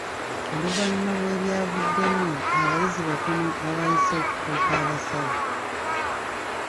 Oluvannyuma lw'ebyavuddemu abayizi batono abaayise okufuuka abasawo.